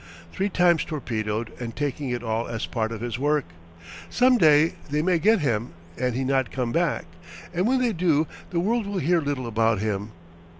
Three times torpedoed and taking it all as part of his work! Some day they may get him and he not come back; and when they do the world will hear little about him.